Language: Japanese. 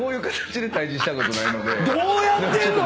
どうやってんの⁉